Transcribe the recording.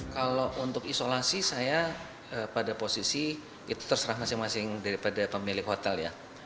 kalau untuk isolasi saya pada posisi itu terserah masing masing daripada pemilik hotel ya